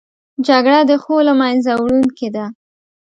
جګړه د ښو له منځه وړونکې ده